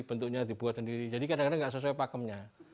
bentuknya dibuat sendiri jadi kadang kadang tidak sesuai pakemnya